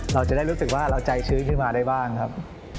เราจะได้รู้สึกว่าเราใจชื้นขึ้นมาได้บ้างครับ